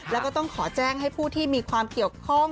แล้วก็ต้องขอแจ้งให้ผู้ที่มีความเกี่ยวข้อง